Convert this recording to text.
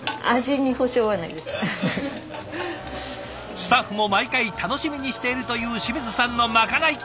スタッフも毎回楽しみにしているという清水さんのまかない。